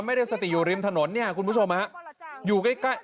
ไม่ได้สติอยู่ริมถนนนี่คุณผู้ชมครับ